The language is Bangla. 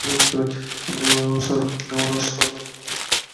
এমন অশ্রপাত তাঁর বয়সে আর কখনো তিনি করেন নাই।